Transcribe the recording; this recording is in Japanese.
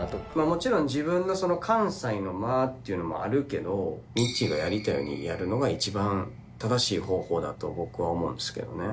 もちろん自分の関西の間っていうのもあるけどみっちーがやりたいようにやるのが一番正しい方法だと僕は思うんですけどね。